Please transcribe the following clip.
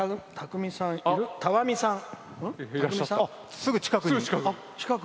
すぐ近くに。